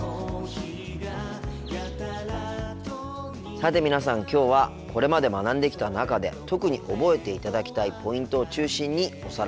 さて皆さんきょうはこれまで学んできた中で特に覚えていただきたいポイントを中心におさらいしています。